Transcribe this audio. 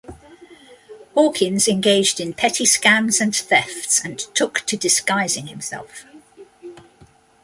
Hawkins engaged in petty scams and thefts, and took to disguising himself.